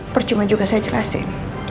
percuma juga saya jelasin